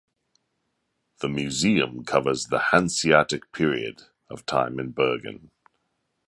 The museum covers the Hanseatic period of time in Bergen.